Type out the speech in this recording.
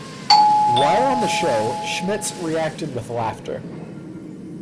While on the show, Schmitz reacted with laughter.